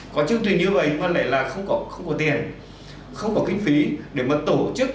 có chương trình như vậy không có tiền không có kinh phí để tổ chức